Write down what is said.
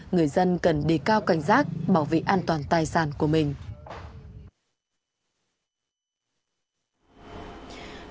người dân cần đề cao cảnh giác bảo vệ an toàn tài sản của mình